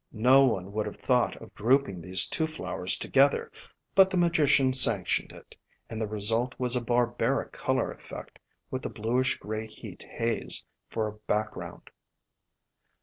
No one would have thought of grouping these two flowers together, but the Magician sanctioned it, and the result was a barbaric color effect, with the bluish gray heat haze for a background.